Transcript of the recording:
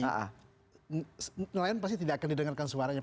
kalau ada yang lain pasti tidak akan didengarkan suaranya